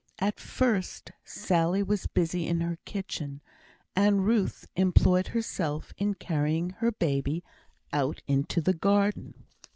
At first, Sally was busy in her kitchen, and Ruth employed herself in carrying her baby out into the garden.